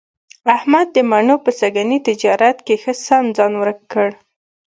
احمد د مڼو په سږني تجارت کې ښه سم ځان ورک کړ.